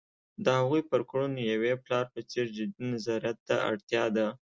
د هغوی پر کړنو یوې پلار په څېر جدي نظارت ته اړتیا ده.